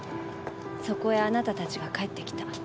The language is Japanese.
そこへあなたたちが帰ってきた。